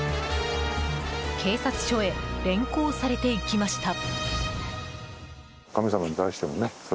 警察署へ連行されていきました。